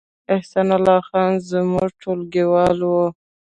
احسان الله خان زما ټولګیوال و